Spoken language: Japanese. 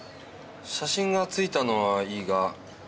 写真がついたのはいいが。